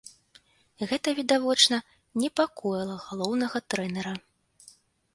Гэта, відавочна, непакоіла галоўнага трэнера.